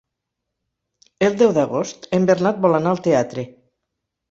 El deu d'agost en Bernat vol anar al teatre.